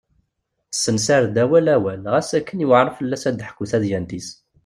Tessensar-d awal awal ɣas akken yuɛer fell-as ad d-teḥku tadyant-is.